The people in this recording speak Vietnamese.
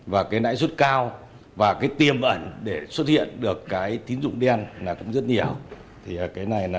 và cái nãi suất cao và cái tiềm ẩn để xuất hiện được cái tín dụng đen là cũng rất nhiều